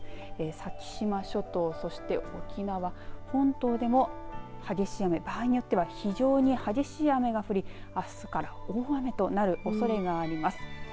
先島諸島そして沖縄本島でも激しい雨、場合によっては非常に激しい雨が降りあすから大雨となるおそれがあります。